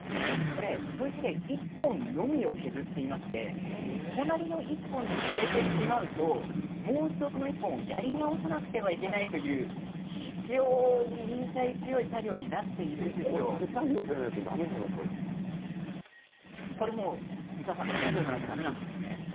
砥石で１本のみを削っていまして隣の１本に触れてしまうともう一度その１本もやり直さなければいけないという非常に忍耐強い作業に手作業じゃないと手作業じゃないとだめなんですよね。